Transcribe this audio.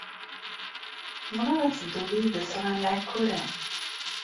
Tebɣiḍ ad tedduḍ yid-s ɣer Iɛekkuren?